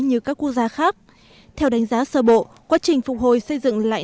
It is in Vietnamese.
như các quốc gia khác theo đánh giá sơ bộ quá trình phục hồi xây dựng lại